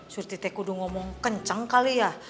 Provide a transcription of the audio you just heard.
surti teh kudu ngomong kenceng kali ya